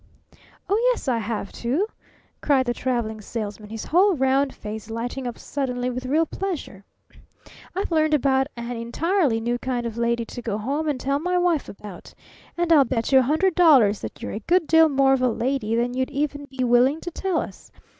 "Oh, yes, I have too!" cried the Traveling Salesman, his whole round face lighting up suddenly with real pleasure. "I've learned about an entirely new kind of lady to go home and tell my wife about. And I'll bet you a hundred dollars that you're a good deal more of a 'lady' than you'd even be willing to tell us.